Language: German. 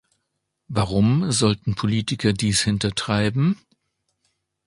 Warum sollten Politiker dies hintertreiben?